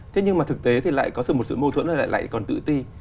thế nhưng mà thực tế thì lại có một sự mâu thuẫn lại còn tự ti